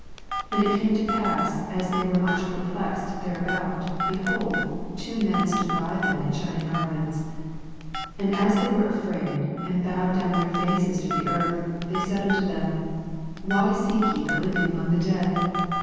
4 And it came to pass, as they were much perplexed thereabout, behold, two men stood by them in shining garments : 5 And as they were afraid, and bowed down their faces to the earth, they said unto them, Why seek ye the living among the dead